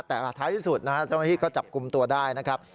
แต่ท้ายที่สุดนะฮะเจ้าหน้าที่ก็จับกลุ่มตัวได้นะครับ